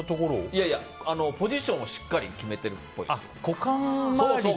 いやいや、ポジションをしっかり決めてるっぽいですよ。